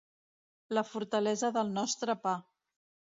La fortalesa del nostre pa